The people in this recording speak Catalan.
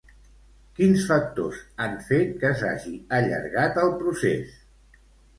Quins factors han fet que s'hagi allargat el procés?